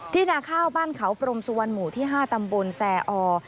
ที่หน้าข้าวบ้านเขาปรมสุวรรณหมู่ที่๕ตำบลแส่ออร์